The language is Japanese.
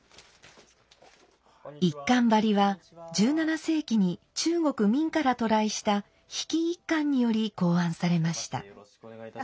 一閑張は１７世紀に中国明から渡来した飛来一閑により考案されました。